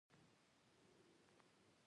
د احمد له خوټو اورلګيت لګېږي.